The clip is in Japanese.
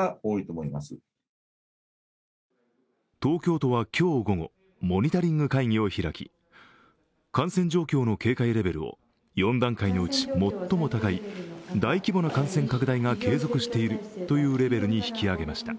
東京都は今日午後、モニタリング会議を開き、感染状況の警戒レベルを４段階のうち最も高い大規模な感染拡大が継続しているというレベルに引き上げました。